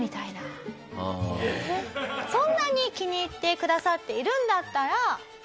そんなに気に入ってくださっているんだったら。